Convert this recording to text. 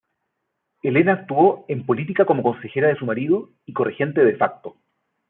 Elena actuó en política como consejera de su marido y corregente "de facto".